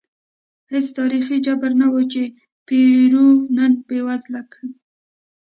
هېڅ تاریخي جبر نه و چې پیرو نن بېوزله کړي.